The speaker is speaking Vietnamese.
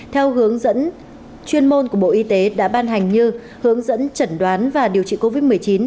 theo hướng dẫn chuyên môn của bộ y tế đã ban hành như hướng dẫn chẩn đoán và điều trị covid một mươi chín